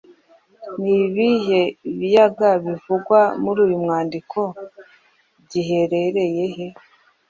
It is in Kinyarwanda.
Ni ibihe biyaga bivugwa muri uyu mwandiko? Giherereye hehe?